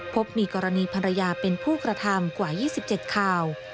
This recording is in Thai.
พบมีกรณีภรรยาเป็นผู้กระทำกว่า๒๗ข่าว